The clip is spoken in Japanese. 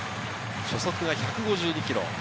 初速は１５２キロ。